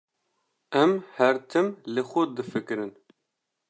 Em her tim li xwe difikirin.